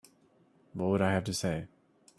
What would I have to say?